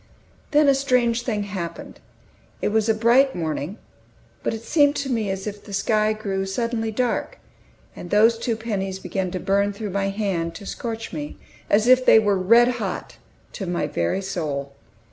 Then a strange thing happened. It was a bright morning, but it seemed to me as if the sky grew suddenly dark; and those two pennies began to burn through my hand, to scorch me, as if they were red hot, to my very soul.